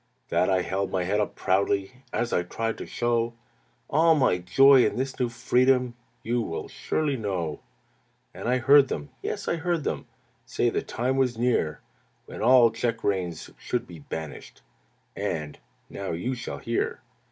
"That I held my head up proudly As I tried to show All my joy in this new freedom You will surely know. "And I heard them, Yes, I heard them Say the time was near When all check reins should be banished; And, now you shall hear!